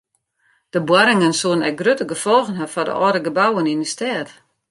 De boarringen soene ek grutte gefolgen ha foar de âlde gebouwen yn de stêd.